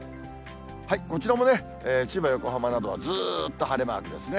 こちらも千葉、横浜などはずっと晴れマークですね。